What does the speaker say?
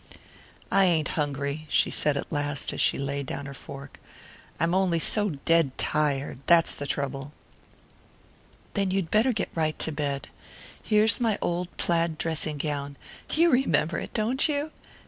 "I ain't hungry," she said at last as she laid down her fork. "I'm only so dead tired that's the trouble." "Then you'd better get right into bed. Here's my old plaid dressing gown you remember it, don't you?"